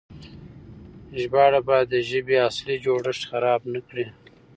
ژباړه بايد د ژبې اصلي جوړښت خراب نه کړي.